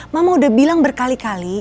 mama udah bilang berkali kali